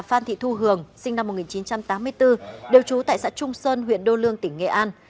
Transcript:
phan thị thu hường sinh năm một nghìn chín trăm tám mươi bốn đều trú tại xã trung sơn huyện đô lương tỉnh nghệ an